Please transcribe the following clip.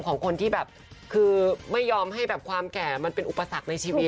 ของคนที่แบบคือไม่ยอมให้แบบความแก่มันเป็นอุปสรรคในชีวิต